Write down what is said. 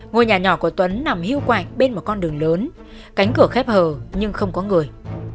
ngôi nhà nhỏ của tuấn nằm hưu quạch bên một con đường lớn cánh cửa khép hờ nhưng không có người